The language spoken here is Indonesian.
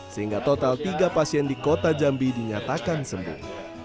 sehingga total tiga pasien di kota jambi dinyatakan sembuh